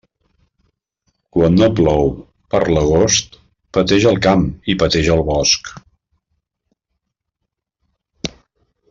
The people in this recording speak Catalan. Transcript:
Quan no plou per l'agost, pateix el camp i pateix el bosc.